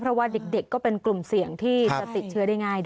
เพราะว่าเด็กก็เป็นกลุ่มเสี่ยงที่จะติดเชื้อได้ง่าย